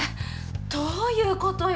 どういうことよ？